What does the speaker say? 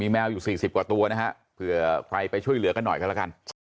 แมวอยู่๔๐กว่าตัวนะฮะเผื่อใครไปช่วยเหลือกันหน่อยกันแล้วกัน